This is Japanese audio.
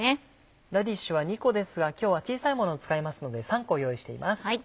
ラディッシュは２個ですが今日は小さいものを使いますので３個用意しています。